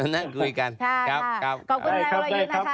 นั่งคุยกันครับครับขอบคุณทนายวรรยุทธ์นะคะครับสวัสดี